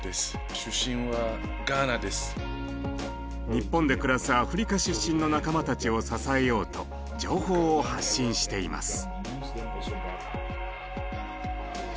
日本で暮らすアフリカ出身の仲間たちを支えようと情報を発信しています。